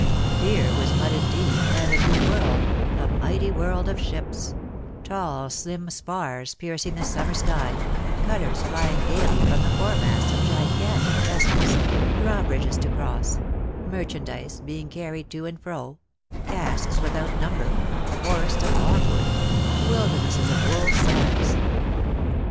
Here was mud indeed, and a new world, the mighty world of ships; tall slim spars piercing the summer sky ; colours flying gaily from the foremasts of gigantic vessels ; drawbridges to cross; merchandise being carried to and fro; casks without number; forests of logwood; wildernesses of wool sacks.